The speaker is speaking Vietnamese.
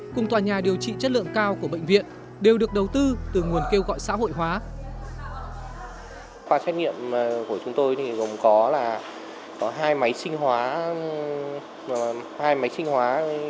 cùng tòa nhà điều trị chất lượng cao của bệnh viện đều được đầu tư từ nguồn kêu gọi xã hội hóa